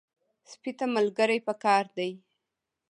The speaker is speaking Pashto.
سپي ته ملګري پکار دي.